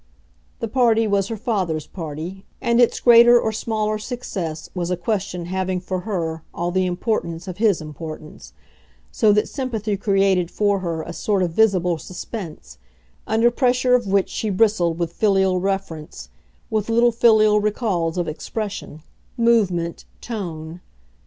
The party was her father's party, and its greater or smaller success was a question having for her all the importance of his importance; so that sympathy created for her a sort of visible suspense, under pressure of which she bristled with filial reference, with little filial recalls of expression, movement, tone.